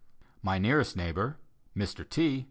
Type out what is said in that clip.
My nearest neighbor, Mr. T.